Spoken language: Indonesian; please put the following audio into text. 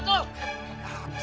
tidak tidak tidak